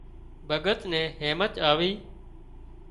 ڀڳت نين هيمچ آوي